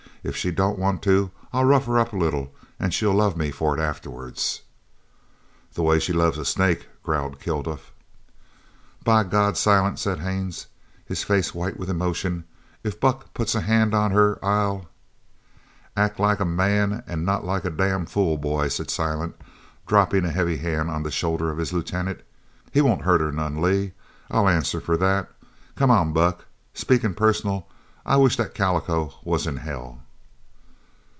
If she don't want to I'll rough her up a little, an' she'll love me for it afterwards!" "The way she loves a snake!" growled Kilduff. "By God, Silent," said Haines, his face white with emotion, "if Buck puts a hand on her I'll " "Act like a man an' not like a damn fool boy," said Silent, dropping a heavy hand on the shoulder of his lieutenant. "He won't hurt her none, Lee. I'll answer for that. Come on, Buck. Speakin' personal, I wish that calico was in hell."